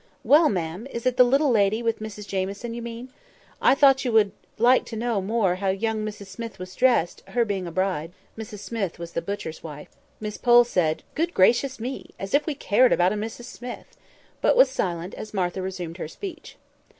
"Well, ma'am! is it the little lady with Mrs Jamieson, you mean? I thought you would like more to know how young Mrs Smith was dressed; her being a bride." (Mrs Smith was the butcher's wife). Miss Pole said, "Good gracious me! as if we cared about a Mrs Smith;" but was silent as Martha resumed her speech.